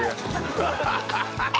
ハハハハ！